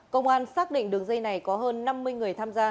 công an xác định đường dây này có hơn năm mươi người tham gia